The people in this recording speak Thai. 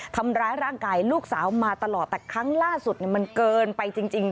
ทำร้ายร่างกายลูกสาวมาตลอดแต่ครั้งล่าสุดมันเกินไปจริง